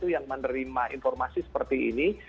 yang menerima informasi seperti ini